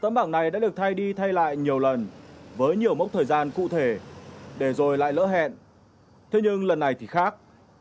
tấm bảng này đã được thay đi thay lại nhiều lần với nhiều mốc thời gian cụ thể để rồi lại lỡ hẹn thế nhưng lần này thì khác